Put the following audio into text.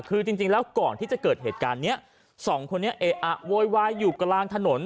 คือจริงแล้วก่อนที่จะเกิดเหตุการณ์เนี้ยสองคนนี้เอะอะโวยวายอยู่กลางถนน